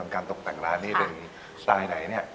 การตกแต่งร้านนี้เป็นสไตล์ไหนเนี่ย